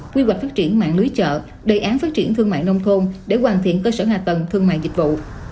quy hoạch phát triển mạng lưới chợ đề án phát triển thương mại nông thôn để hoàn thiện cơ sở hạ tầng thương mại dịch vụ